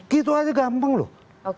gitu aja gampang loh